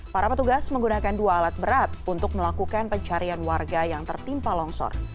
para petugas menggunakan dua alat berat untuk melakukan pencarian warga yang tertimpa longsor